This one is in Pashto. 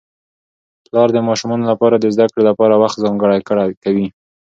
پلار د ماشومانو لپاره د زده کړې لپاره وخت ځانګړی کوي